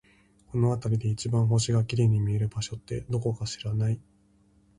この辺りで一番星が綺麗に見える場所って、どこか知らない？